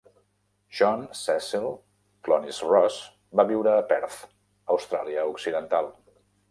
John Cecil Clunies-Ross va viure a Perth, Austràlia Occidental.